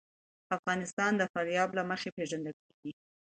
افغانستان د فاریاب له مخې پېژندل کېږي.